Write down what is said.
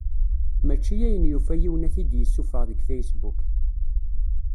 Mačči ayen yufa yiwen ad t-id-yessufeɣ deg Facebook.